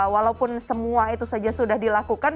walaupun semua itu saja sudah dilakukan